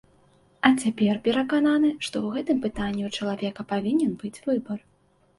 А цяпер перакананы, што ў гэтым пытанні ў чалавека павінен быць выбар.